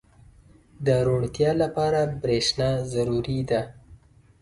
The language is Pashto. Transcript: • د روڼتیا لپاره برېښنا ضروري ده.